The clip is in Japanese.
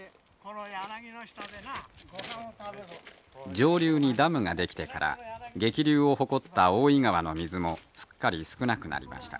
上流にダムが出来てから激流を誇った大井川の水もすっかり少なくなりました。